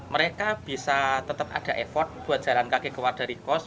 mereka bisa tetap ada effort buat jalan kaki keluar dari kos